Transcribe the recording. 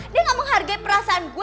dia gak menghargai perasaan gue